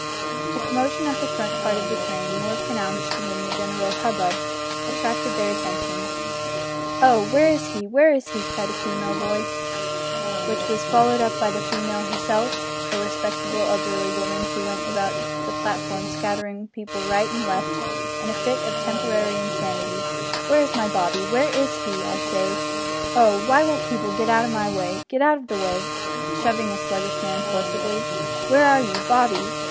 A commotion at the front part of the train, more pronounced than the general hubbub, attracted their attention. "Oh! where is he where is he?" cried a female voice, which was followed up by the female herself, a respectable elderly woman, who went about the platform scattering people right and left in a fit of temporary insanity, "where is my Bobby, where is he, I say? Oh! why won't people git out o' my way? Git out o' the way," (shoving a sluggish man forcibly), "where are you, Bobby?